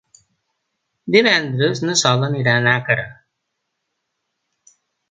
Divendres na Sol anirà a Nàquera.